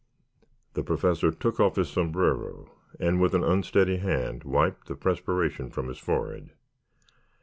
The Professor took off his sombrero, and, with an unsteady hand, wiped the perspiration from his forehead.